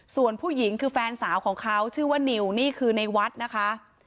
ส่วนผู้หญิงคือแฟนสาวของเขาชื่อว่านิวนี่คือในวัดนะคะ